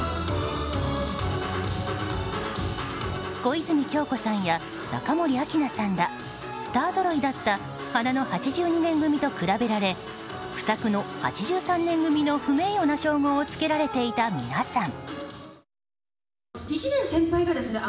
小泉今日子さんや中森明菜さんらスターぞろいだった花の８２年組と比べられ不作の８３年組の不名誉な称号をつけられていた皆さん。